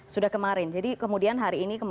sudah kemarin jadi kemudian hari ini